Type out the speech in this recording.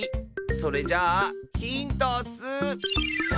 それじゃあヒントッス！